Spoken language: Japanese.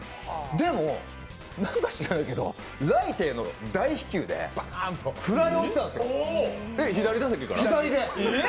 でも、何か知らんけど、大飛球で、フライを打ったんですよ、左で。